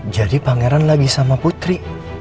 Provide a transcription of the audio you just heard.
jadi pangeran lagi sama putri